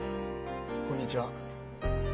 こんにちは。